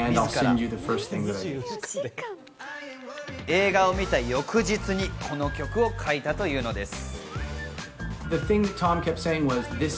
映画を見た翌日にこの曲を書いたというのです。